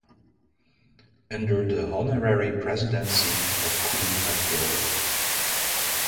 Under the Honorary Presidency of Queen Mathilde.